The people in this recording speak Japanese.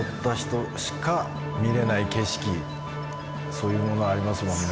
そういうものがありますもんね。